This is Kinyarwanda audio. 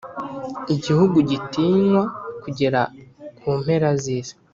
igihugu gitinywa kugera ku mpera z’isi,